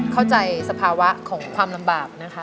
เข้าใจสภาวะของความลำบากนะคะ